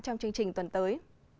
trong chương trình tuần tới